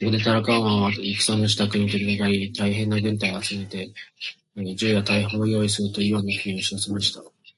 そこでタラカン王は戦のしたくに取りかかり、大へんな軍隊を集めて、銃や大砲をよういすると、イワンの国へおしよせました。